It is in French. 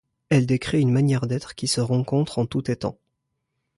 Elle décrit une manière d'être qui se rencontre en tout étant.